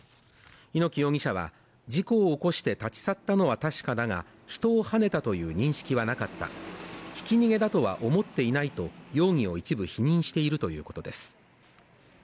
猪木容疑者は、事故を起こして立ち去ったのは確かだが人をはねたという認識はなかった、ひき逃げだとは思っていないと、容疑を一部否認しているということです。